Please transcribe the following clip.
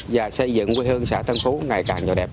và xây dựng quê hương xã tân phú ngày càng nhỏ đẹp